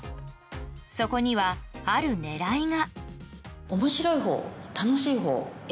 そこには、ある狙いが。